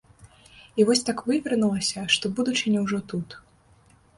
І вось так вывернулася, што будучыня ўжо тут.